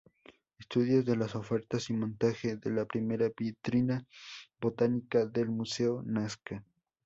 Estudios de las ofertas y montaje de la primera vitrina botánica del Museo Nazca.